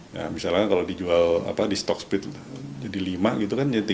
nah misalnya kalau dijual di stock split jadi lima gitu kan ya tiga puluh tiga ribuan